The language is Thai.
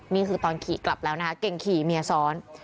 นี่คือตอนขี่กลับแล้วนะคะเก่งขี่เมียซ้อน